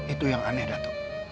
itu yang aneh dato